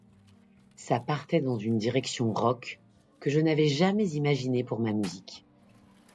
Ça partait dans une direction rock que je n’avais jamais imaginée pour ma musique.